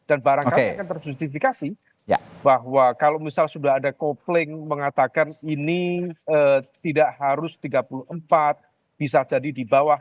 dan barangkali akan tersentifikasi bahwa kalau misalnya sudah ada kopling mengatakan ini tidak harus tiga puluh empat bisa jadi di bawah